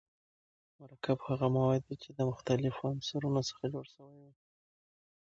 مرکب هغه مواد دي چي د مختليفو عنصرونو څخه جوړ سوی وي.